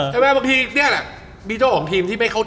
ใช่ไหมบางทีเนี่ยแหละ